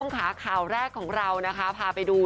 ต้องช้าข่าวแรกของเราร้ำว่าพาไปดู